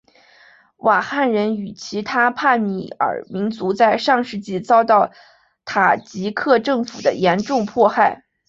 瓦罕人与其他帕米尔民族在上世纪遭到塔吉克政府的严重迫害。